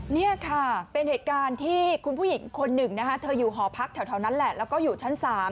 นี่ค่ะเป็นเหตุการณ์ที่คุณผู้หญิงคนหนึ่งนะคะเธออยู่หอพักแถวนั้นแหละแล้วก็อยู่ชั้น๓